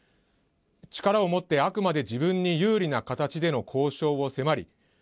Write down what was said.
力を持って、あくまで自分に有利な形での交渉を迫り